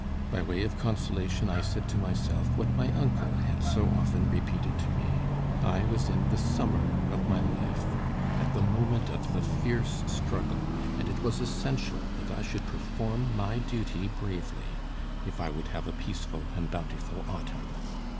By way of consolation I said to myself what my uncle had so often repeated to me: I was in the summer of my life, at the moment of the fierce struggle, and it was essential that I should perform my duty bravely, if I would have a peaceful and bountiful autumn.